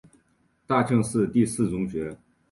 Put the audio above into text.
大庆市第四中学。